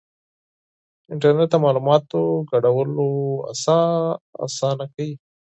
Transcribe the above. انټرنېټ د معلوماتو شریکول اسانه کوي.